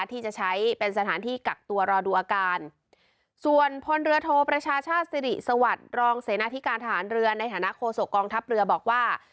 ที่จะใช้เป็นสถานที่กักตัวรอดูอาการส่วนพลเรือโทประชาชาติสิริสวัสดิ์รองเสนาธิการทหารเรือในฐานะโคศกองทัพเรือบอกว่า